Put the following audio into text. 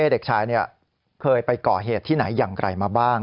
เด็กชายเคยไปก่อเหตุที่ไหนอย่างไรมาบ้าง